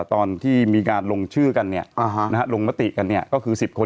ตอนที่มีการลงชื่อกันเนี้ยอ่าฮะนะฮะลงมติกันเนี้ยก็คือสิบคน